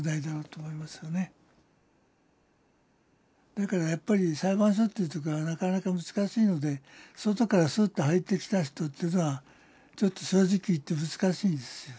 だからやっぱり裁判所というところはなかなか難しいので外からスッと入ってきた人というのはちょっと正直言って難しいんです。